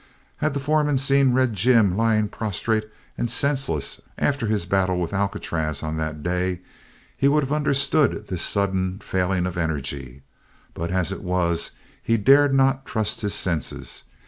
Had the foreman seen Red Jim lying prostrate and senseless after his battle with Alcatraz on that day, he would have understood this sudden failing of energy, but as it was he dared not trust his senses.